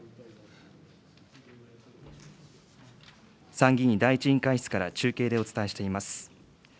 参議院第１委員会室から中継でお伝えしています。